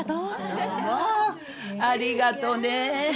どうぞ。ありがとね。